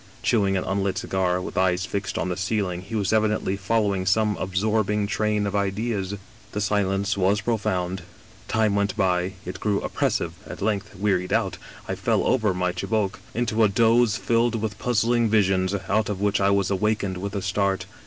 Chewing an unlit cigar, with eyes fixed on the ceiling, he was evidently^ following some absorbing train of ideas. " The silence was profound ; time went by ; it grew op pressive ; at length, wearied out, I fell, over my chibouque,, into a doze filled with puzzling visions, out of which I was awakened with a start.